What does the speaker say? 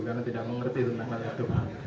karena tidak mengerti tentang hal hal itu